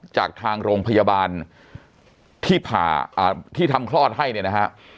จากทางโรงพยาบาลที่ทำคลอดให้เนี่ยนะครับ